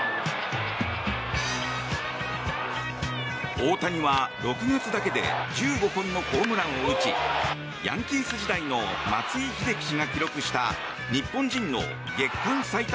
大谷は６月だけで１５本のホームランを打ちヤンキース時代の松井秀喜氏が記録した日本人の月間最多